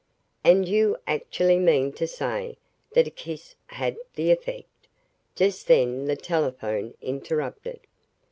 "And you actually mean to say that a kiss had the effect " Just then the telephone interrupted.